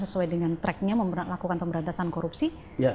sesuai dengan tracknya melakukan pemberantasan korupsi